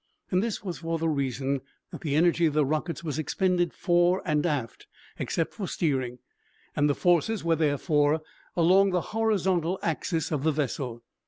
This was for the reason that the energy of the rockets was expended fore and aft, except for steering, and the forces were therefore along the horizontal axis of the vessel.